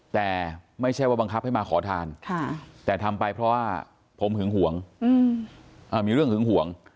แต่ไม่ใช่ว่าบังคับให้มาขอทานแต่ทำไปเพราะว่าผมหึงห่วงมีเรื่องหึงห่วง